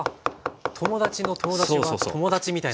友達の友達は友達みたいな。